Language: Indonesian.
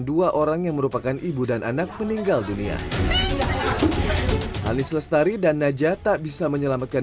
dua orang yang merupakan ibu dan anak meninggal dunia ali selestari dan najah tak bisa menyelamatkan